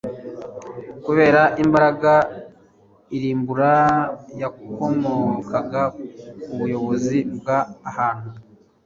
Kubera imbaraga irimbura yakomokaga ku buyobozi bwa Ahabu